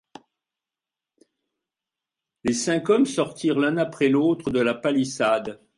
Les cinq hommes sortirent l'un après l'autre de la palissade.